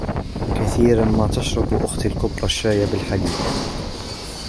كثيراً ما تشرب أختي الكبرى الشاي بالحليب.